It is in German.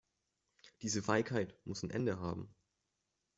Diese Feigheit muss ein Ende haben!